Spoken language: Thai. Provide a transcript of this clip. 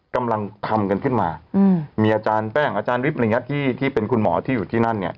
กำลังทำกันขึ้นมามีอาจารย์แป้งอาจารย์วิทย์ที่เป็นคุณหมอที่อยู่ที่นั่น